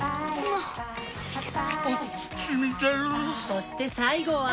そして最後は。